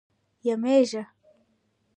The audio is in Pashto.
یمېږه.